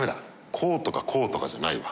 こうとかこうとかじゃないわ。